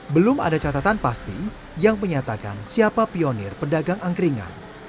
belum ada catatan pasti yang menyatakan siapa pionir pedagang angkringan